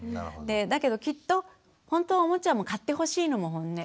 だけどきっとほんとはおもちゃも買ってほしいのもホンネ。